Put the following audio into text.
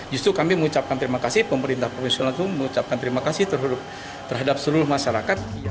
justru kami mengucapkan terima kasih pemerintah profesional itu mengucapkan terima kasih terhadap seluruh masyarakat